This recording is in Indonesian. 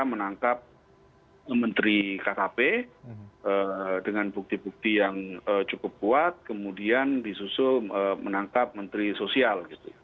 menangkap menteri kkp dengan bukti bukti yang cukup kuat kemudian disusul menangkap menteri sosial